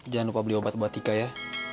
jangan lupa beli obat buat tika ya